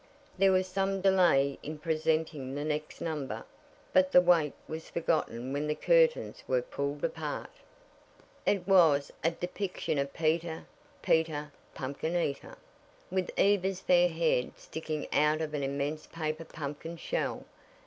There was some delay in presenting the next number, but the wait was forgotten when the curtains were pulled apart. It was a depiction of "Peter, Peter, Pumpkin Eater," with Eva's fair head sticking out of an immense paper pumpkin shell.